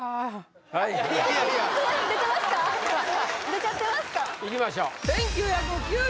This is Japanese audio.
出ちゃってました？